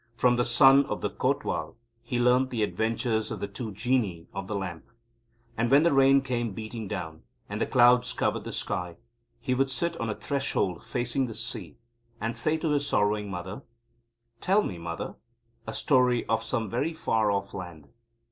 From the Son of the Kotwal he learnt the adventures of the Two Genii of the Lamp. And when the rain came beating down, and the clouds covered the sky, he would sit on the threshold facing the sea, and say to his sorrowing mother: "Tell me, mother, a story of some very far off land."